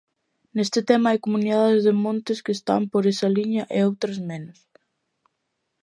Neste tema hai comunidades de montes que están por esa liña e outras menos.